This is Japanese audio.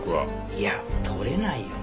いや取れないよ。